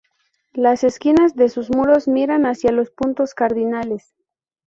Las esquinas de sus muros miran hacia los puntos cardinales.